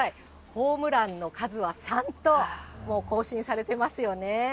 ホームランの数は３と、もう更新されてますよね。